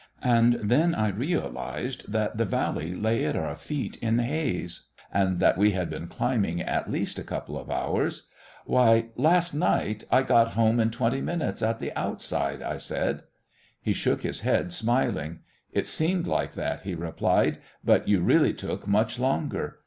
And then I realised that the valley lay at our feet in haze and that we had been climbing at least a couple of hours. "Why, last night I got home in twenty minutes at the outside," I said. He shook his head, smiling. "It seemed like that," he replied, "but you really took much longer.